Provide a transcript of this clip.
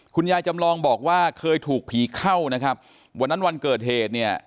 จำลองบอกว่าเคยถูกผีเข้านะครับวันนั้นวันเกิดเหตุเนี่ย